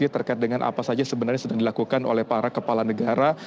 terkait dengan apa saja sebenarnya sedang dilakukan oleh para kepala negara